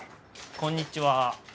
こんにちは。